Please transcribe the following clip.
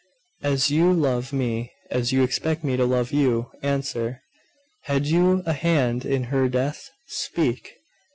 As you love me, as you expect me to love you, answer! Had you a hand in her death? Speak!